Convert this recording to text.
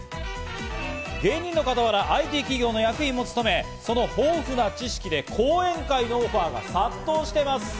芸人の傍ら、ＩＴ企業の役員も務め、その豊富な知識で講演会のオファーが殺到しています。